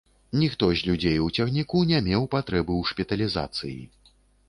Ніхто з людзей у цягніку не меў патрэбы ў шпіталізацыі.